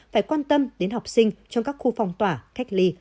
phải quan tâm đến học sinh trong các khu phong tỏa cách ly